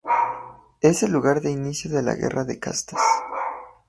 Es el lugar de inicio de la Guerra de Castas.